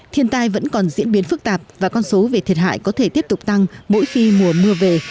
thiên tai vẫn còn diễn biến phức tạp và con số về thiệt hại có thể tiếp tục tăng mỗi khi mùa mưa về